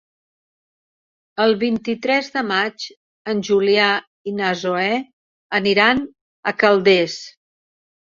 El vint-i-tres de maig en Julià i na Zoè aniran a Calders.